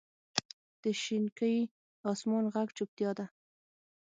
د شینکي اسمان ږغ چوپتیا ده.